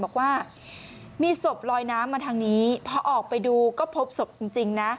บอกว่ามีศพลอยน้ำมาทางนี้พอออกไปดูก็พบศพจริงนะ